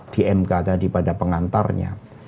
di mk tadi pada pengantarnya